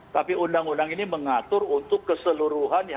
tapi undang undang ini mengatur untuk keseluruhan yang ada di dalam